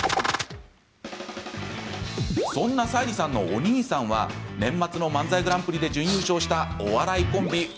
そんな沙莉さんのお兄さんは年末の漫才グランプリで準優勝したお笑いコンビ